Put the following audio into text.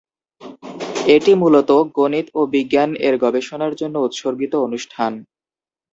এটি মূলতঃ গণিত ও বিজ্ঞান-এর গবেষণার জন্য উৎসর্গিত অনুষ্ঠান।